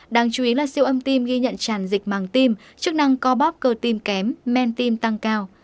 đáng chú ý là siêu âm tim ghi nhận tràn dịch màng tim chức năng co bắp cơ tim kém men tim tăng cao